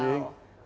bisa di pantau